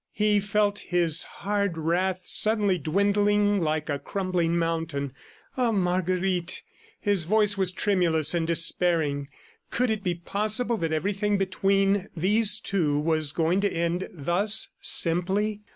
He felt his hard wrath suddenly dwindling like a crumbling mountain. Ah, Marguerite! His voice was tremulous and despairing. Could it be possible that everything between these two was going to end thus simply?